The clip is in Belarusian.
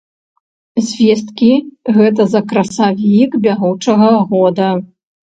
Звесткі гэта за красавік бягучага года.